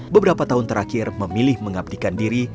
beberapa tahun terakhir memilih mengabdikan diri